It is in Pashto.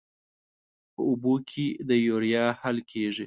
په اوبو کې د یوریا حل کیږي.